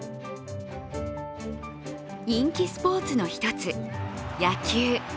人気スポーツの一つ、野球。